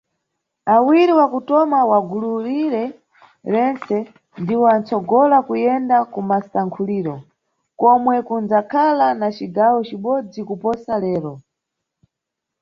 Awiri wakutoma wa gulu liri rentse ndiwo anʼtsogola kuyenda kumasankhuliro, komwe kunʼdzakhala na cigawo cibodzi kuposa lero.